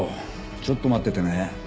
ちょっと待っててね。